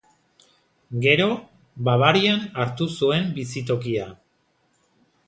Gero, Bavarian hartu zuen bizitokia.